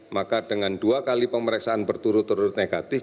maka dengan dua kali pemeriksaan berturut turut negatif